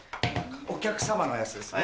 お客様のやつですね。